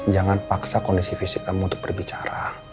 jangan paksa kondisi fisik kamu untuk berbicara